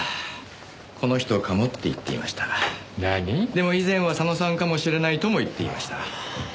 でも以前は佐野さんかもしれないとも言っていました。